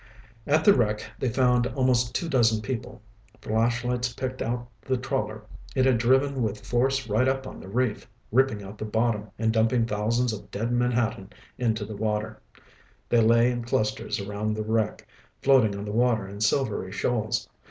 At the wreck they found almost two dozen people. Flashlights picked out the trawler. It had driven with force right up on the reef, ripping out the bottom and dumping thousands of dead menhaden into the water. They lay in clusters around the wreck, floating on the water in silvery shoals.